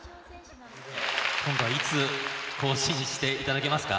今度はいつ更新していただけますか？